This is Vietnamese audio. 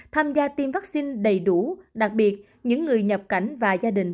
tham gia tiêm vaccine đầy đủ đặc biệt những người nhập cảnh và gia đình